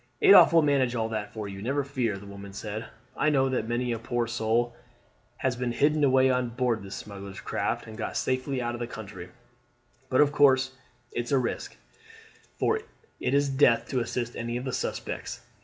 "Adolphe will manage all that for you, never fear," the woman said. "I know that many a poor soul has been hidden away on board the smuggler's craft and got safely out of the country; but of course it's a risk, for it is death to assist any of the suspects.